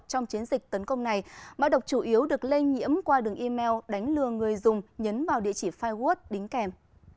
trong chiến dịch tấn công này mã độc chủ yếu được lây nhiễm qua đường email đánh lừa người dùng nhấn vào địa chỉ firewood đính kèm